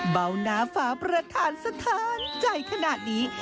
เบาหน้าฟ้าประธานสถานใจขนาดนี้